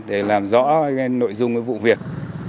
để làm rõ nội dung vụ việc